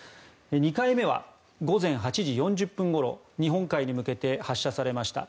２回目は午前８時４０分ごろ日本海に向けて発射されました。